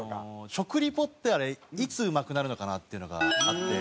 食リポってあれいつうまくなるのかな？っていうのがあって。